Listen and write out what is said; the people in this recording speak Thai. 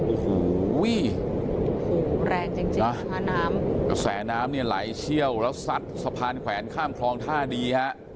อุ้โหแรงจริงแสนน้ำแสนน้ำไหลเชี่ยวแล้วซัดสะพานแขวนข้ามคลองท่าดีฮะ